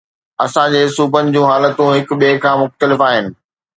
اسان جي صوبن جون حالتون هڪ ٻئي کان مختلف آهن.